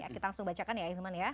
kita langsung bacakan ya irman ya